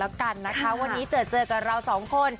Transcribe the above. วันนี้เจอเจอกับเราสองคน